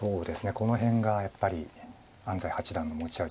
この辺がやっぱり安斎八段の持ち味です。